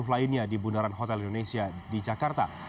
lainnya di bundaran hotel indonesia di jakarta